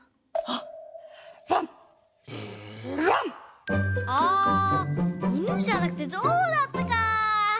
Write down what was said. ああいぬじゃなくてぞうだったかぁ！